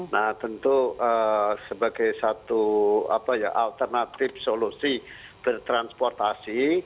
nah tentu sebagai satu alternatif solusi bertransportasi